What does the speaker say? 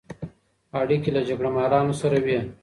اړیکې له جګړه مارانو سره وې.